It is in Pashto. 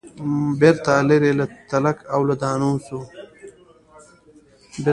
بیرته لیري له تلک او له دانې سو